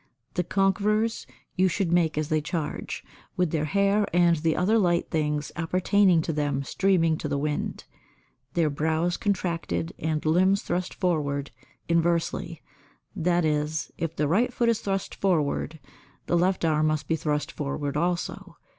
The conquerors you should make as they charge, with their hair and the other light things appertaining to them streaming to the wind, their brows contracted and the limbs thrust forward inversely, that is, if the right foot is thrust forward the left arm must be thrust forward also.